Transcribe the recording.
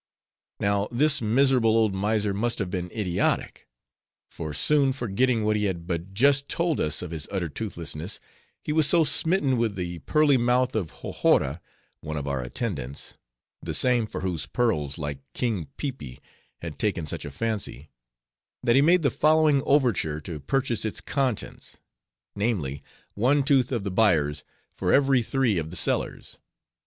Now this miserable old miser must have been idiotic; for soon forgetting what he had but just told us of his utter toothlessness, he was so smitten with the pearly mouth of Hohora, one of our attendants (the same for whose pearls, little King Peepi had taken such a fancy), that he made the following overture to purchase its contents: namely: one tooth of the buyer's, for every three of the seller's.